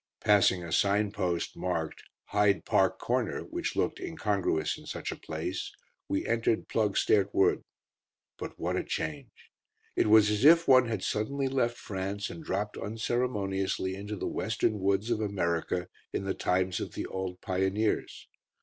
Passing a signpost, marked "Hyde Park Corner," which looked incongruous in such a place, we entered Ploegsteert Wood. But what a change! It was as if one had suddenly left France and dropped unceremoniously into the western woods of America, in the times of the old pioneers.